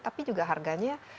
tapi juga harganya